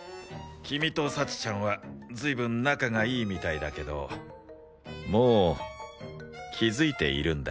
君と幸ちゃんは随分仲がいいみたいだけどもう気づいているんだよね？